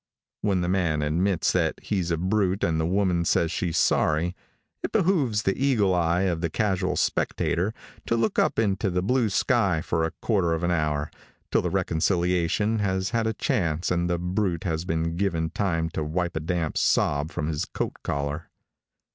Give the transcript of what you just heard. When the man admits that he's a brute and the woman says she's sorry, it behooves the eagle eye of the casual spectator to look up into the blue sky for a quarter of an hour, till the reconciliation has had a chance and the brute has been given time to wipe a damp sob from his coat collar.